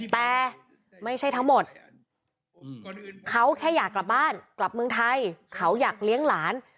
แต่ไม่ใช่ทั้งหมดเขาแค่อยากกลับบ้านกลับเมืองไทยเขาอยากเลี้ยงหลาน